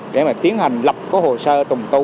để mà tiến hành lập cái hồ sơ trùng tu